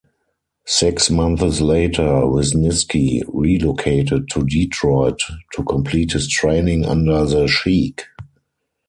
Six months later, Wisniski relocated to Detroit to complete his training under the Sheik.